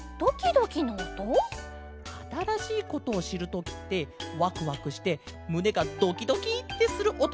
あたらしいことをしるときってワクワクしてむねがドキドキってするおとがきこえるケロ。